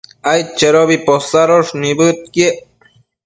aidchedobi posadosh nibëdquiec